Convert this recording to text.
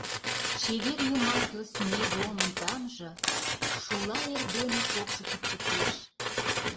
Чевер йомартле снеге омын тамже Шула эрдене шокшо кӱпчыкеш.